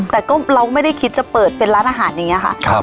แต่ก็เราไม่ได้คิดจะเปิดเป็นร้านอาหารอย่างนี้ค่ะ